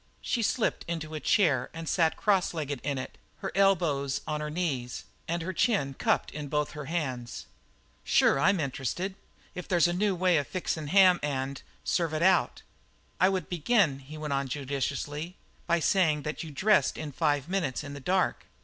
She slipped into a chair and sat cross legged in it, her elbows on her knees and her chin cupped in both her hands. "Sure I'm interested. If there's a new way fixin' ham and, serve it out." "I would begin," he went on judiciously, "by saying that you dressed in five minutes in the dark."